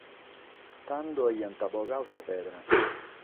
Tando aiant bogadu sa pedra.